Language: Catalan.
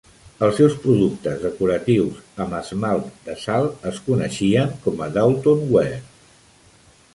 Els seus productes decoratius amb esmalt de sal es coneixien com a "Doulton Ware".